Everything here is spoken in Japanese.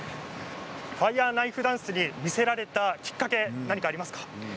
ファイヤーナイフダンスに魅せられたきっかけ何かありますか？